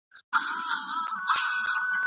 لمر ختو څخه مخکې پاڅیږئ.